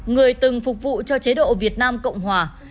người từng phục vụ cho chế độ việt nam cộng hòa